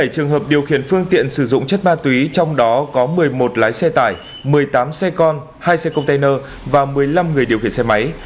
một mươi trường hợp điều khiển phương tiện sử dụng chất ma túy trong đó có một mươi một lái xe tải một mươi tám xe con hai xe container và một mươi năm người điều khiển xe máy